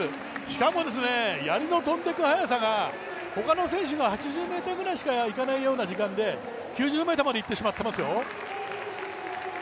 しかもやりの飛んでいく速さが他の選手の８０ｍぐらいしかいかないような時間で９０ｍまでいってしまっていますよ。